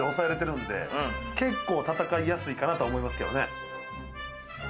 結構戦いやすいかなとは思いますけどね。